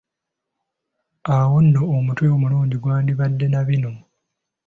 Awo nno, omutwe omulungi gwandibadde na bino: